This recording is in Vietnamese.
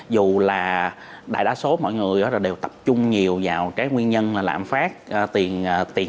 dù là đại đa số mọi người đều tập trung nhiều vào cái nguyên nhân là lạm phát tiền